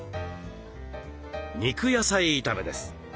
肉野菜炒めです。